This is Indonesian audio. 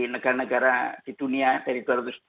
negara negara di dunia dari